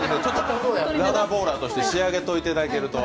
ラダーボーラーとして仕上げておいていただけると。